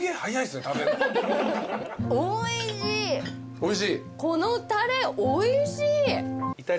おいしい！